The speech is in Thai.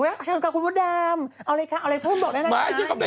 หรือปาน่ะนูถ่ายรูปหน่อย